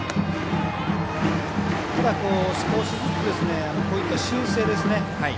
ただ、少しずつこういった修正ですね。